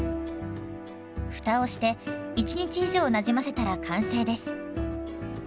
蓋をして１日以上なじませたら完成です。